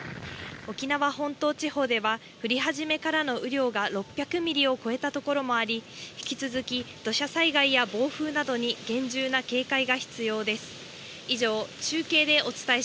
沖縄本島地方では降り始めからの雨量が６００ミリを超えた所もあり、引き続き土砂災害や暴風などに厳重な警戒が必要です。